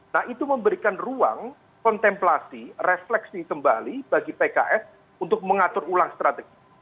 nah itu memberikan ruang kontemplasi refleksi kembali bagi pks untuk mengatur ulang strategi